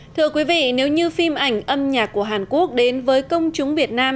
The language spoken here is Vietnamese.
thưa quý vị nếu như phim ảnh âm nhạc của hàn quốc đến với công chúng việt nam